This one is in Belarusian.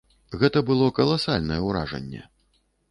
Гэта было каласальнае ўражанне.